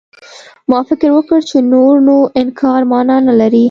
ما فکر وکړ چې نور نو انکار مانا نه لري.